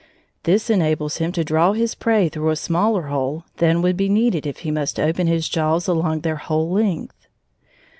This enables him to draw his prey through a smaller hole than would be needed if he must open his jaws along their whole length.